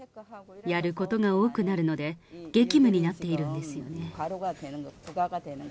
やることが多くなるので、激務になっているんですよね。